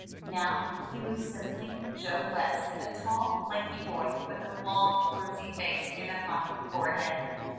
Now he was simply Joe West, a tall, lanky boy with a long, rosy face and a high forehead.